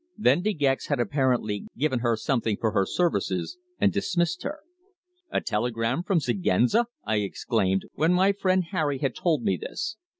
Then De Gex had apparently given her something for her services, and dismissed her. "A telegram from Siguenza!" I exclaimed, when my friend Harry had told me this.